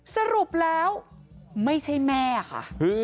สรุปแล้วไม่ใช่แม่ค่ะ